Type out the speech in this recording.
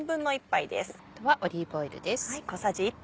あとはオリーブオイルです。